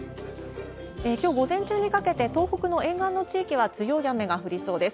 きょう午前中にかけて、東北の沿岸の地域は強い雨が降りそうです。